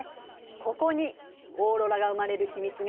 ここにオーロラが生まれる秘密があるのよ。